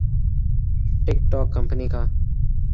ٹک ٹوک کمپنی کا